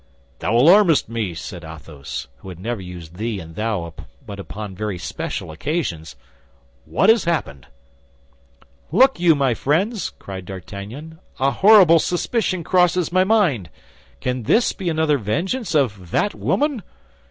"Thou alarmest me!" said Athos, who never used thee and thou but upon very particular occasions, "what has happened?" "Look you, my friends!" cried D'Artagnan, "a horrible suspicion crosses my mind! Can this be another vengeance of that woman?"